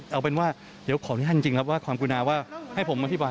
เอาเป็นว่าขออนุญาตจริงคุณครับความกลุ่มว่าให้ผมมาอธิบาย